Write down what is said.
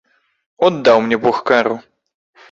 От даў мне бог кару!